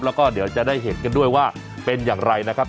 แล้วก็เดี๋ยวจะได้เห็นกันด้วยว่าเป็นอย่างไรนะครับ